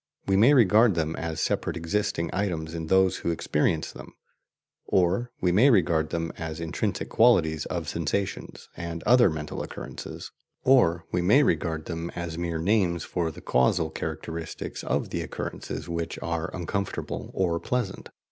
We may regard them as separate existing items in those who experience them, or we may regard them as intrinsic qualities of sensations and other mental occurrences, or we may regard them as mere names for the causal characteristics of the occurrences which are uncomfortable or pleasant.